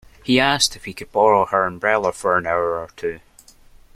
He asked if he could borrow her umbrella for an hour or two